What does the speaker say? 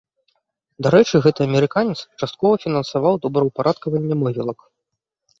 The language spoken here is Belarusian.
Дарэчы, гэты амерыканец часткова фінансаваў добраўпарадкаванне могілак.